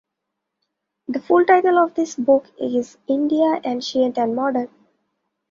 The full title of this book is India Ancient and Modern.